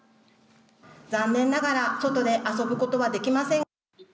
残念ながら外で遊ぶことはできません。